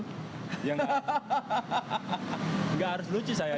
ya nggak harus lucu saya